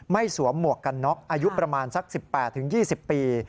สวมหมวกกันน็อกอายุประมาณสัก๑๘๒๐ปี